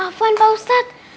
afuan pak ustadz